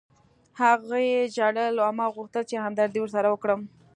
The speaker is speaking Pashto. هغې ژړل او ما غوښتل چې همدردي ورسره وکړم